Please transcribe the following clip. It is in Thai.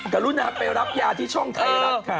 กรุณาไปรับยาที่ช่องไทยรัฐค่ะ